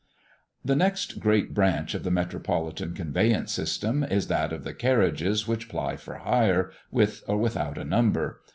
The next great branch of the Metropolitan conveyance system, is that of the carriages which ply for hire, with or without a number.